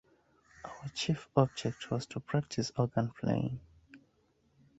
Our chief object was to practice organ playing.